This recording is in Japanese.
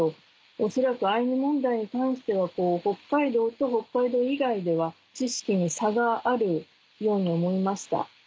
おそらくアイヌ問題に関しては北海道と北海道以外では知識に差があるように思いました。